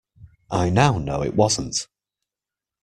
I now know it wasn't.